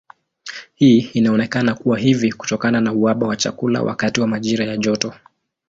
Hii inaonekana kuwa hivi kutokana na uhaba wa chakula wakati wa majira ya joto.